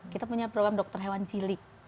kita punya program dokter hewan cilik